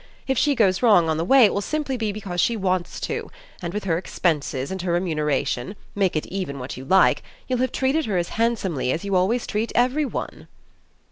If she goes wrong on the way it will be simply because she wants to, and, with her expenses and her remuneration make it even what you like! you'll have treated her as handsomely as you always treat every one."